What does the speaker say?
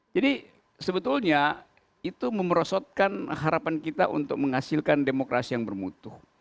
jadi sebetulnya itu merosotkan harapan kita untuk menghasilkan demokrasi yang bermutu